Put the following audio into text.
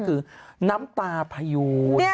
คือน้ำตาพยูน